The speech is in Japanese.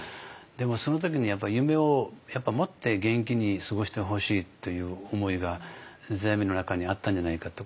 でもその時にやっぱり夢を持って元気に過ごしてほしいという思いが世阿弥の中にあったんじゃないかと。